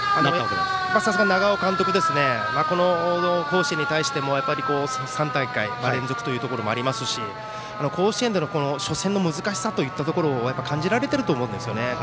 さすが長尾監督この甲子園に対しても３大会連続というところもありますし甲子園での初戦の難しさといったところを感じられていると思うんですね。